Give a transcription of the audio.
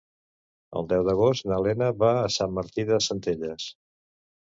El deu d'agost na Lena va a Sant Martí de Centelles.